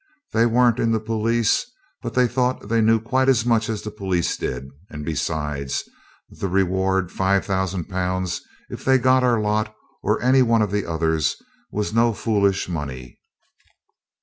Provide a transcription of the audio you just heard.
They weren't in the police, but they thought they knew quite as much as the police did; and, besides, the reward, 5000 Pounds, if they got our lot and any one of the others, was no foolish money.